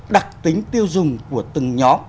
đặc tính tiêu dùng của từng nhóm